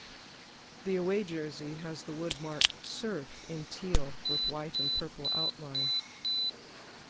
The away jersey has the wordmark "Surf" in teal with white and purple outline.